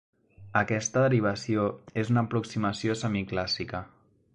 Aquesta derivació és una aproximació semiclàssica.